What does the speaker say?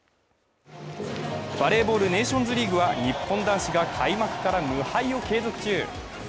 バレーボールネーションズリーグは日本男子が開幕から無敗を継続中。